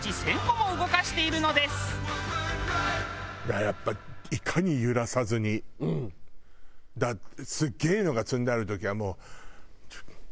だからやっぱだからすげえのが積んである時はもう。